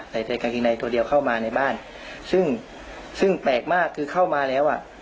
ใส่แต่กางเกงในตัวเดียวเข้ามาในบ้านซึ่งซึ่งแปลกมากคือเข้ามาแล้วอ่ะ